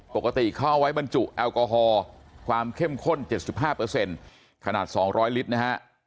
ปกติเขาเอาไว้บรรจุแอลกอฮอล์ความเข้มข้น๗๕ขนาด๒๐๐ลิตรนะฮะ